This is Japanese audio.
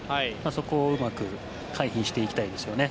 そこをうまく回避していきたいですよね。